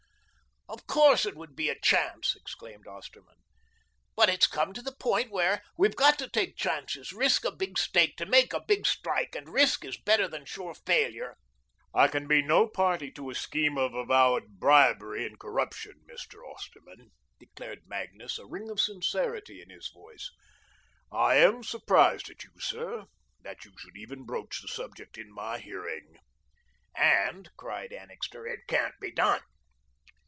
"Of course, it would be a chance," exclaimed Osterman. "But it's come to the point where we've got to take chances, risk a big stake to make a big strike, and risk is better than sure failure." "I can be no party to a scheme of avowed bribery and corruption, Mr. Osterman," declared Magnus, a ring of severity in his voice. "I am surprised, sir, that you should even broach the subject in my hearing." "And," cried Annixter, "it can't be done."